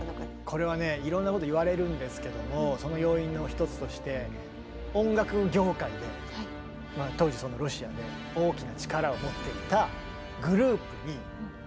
これはねいろんなこと言われるんですけどもその要因の一つとして音楽業界で当時そのロシアでその酷評自体も事前に用意されていたと。